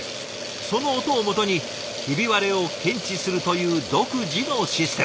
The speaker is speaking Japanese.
その音をもとにヒビ割れを検知するという独自のシステム。